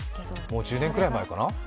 もう１０年くらい前かな？